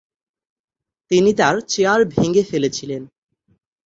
তিনি তার চেয়ার ভেঙ্গে ফেলেছিলেন।